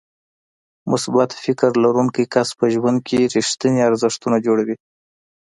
مثبت فکر لرونکی کس په ژوند کې رېښتيني ارزښتونه جوړوي.